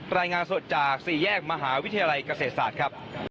รายงานสดจากสี่แยกมหาวิทยาลัยเกษตรศาสตร์ครับ